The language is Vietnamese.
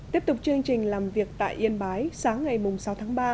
tiếp tục chương trình làm việc tại yên bái sáng ngày sáu tháng ba